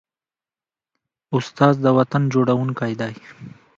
استاد د وطن جوړوونکی دی.